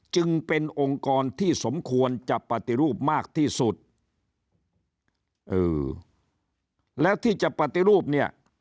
จึงเป็นองค์กรที่สมควรจะปฏิรูปมากที่สุดเออแล้วที่จะปฏิรูปเนี่ย